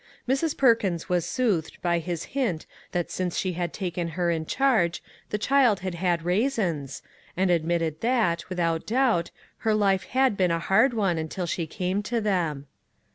Mrs. Perkins was soothed by his hint that since she had taken her in charge the child had had raisins, and admitted that, without doubt, her life had been a hard one until she came to them.